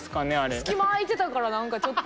隙間空いてたから何かちょっと。